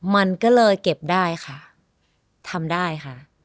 มันก็เลยเก็บได้ค่ะทำได้ค่ะ